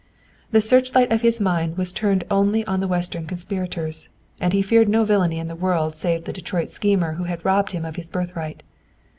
The searchlight of his mind was turned only on the Western conspirators, and he feared no villainy in the world save the Detroit schemer who had robbed him of his birthright.